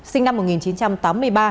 sinh năm một nghìn chín trăm chín mươi bảy